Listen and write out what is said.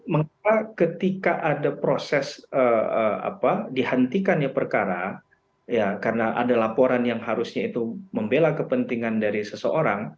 mengapa ketika ada proses dihentikannya perkara karena ada laporan yang harusnya itu membela kepentingan dari seseorang